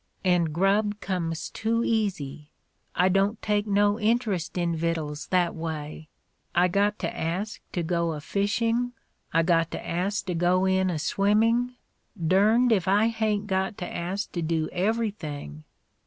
And grub comes too easy. I don't take no interest in vittles, that way. I got to ask to go a fishing; I got to ask to go in a swimming — dern'd if I hain't got to ask to do everything.